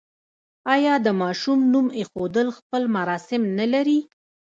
آیا د ماشوم نوم ایښودل خپل مراسم نلري؟